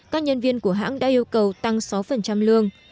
các nhân viên của hãng đã yêu cầu tăng sáu lương